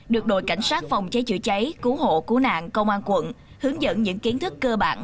được đội cảnh sát phòng cháy chữa cháy cứu hộ cứu nạn công an quận hướng dẫn những kiến thức cơ bản